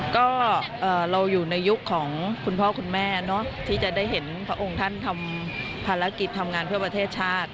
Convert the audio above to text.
ก็เราอยู่ในยุคของคุณพ่อคุณแม่ที่จะได้เห็นพระองค์ท่านทำภารกิจทำงานเพื่อประเทศชาติ